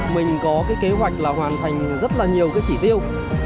mình có cái kế hoạch là hoàn thành rất là nhiều cái chỉ tiêu